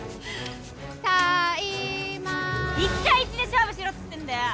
１対１で勝負しろっつってんだよ！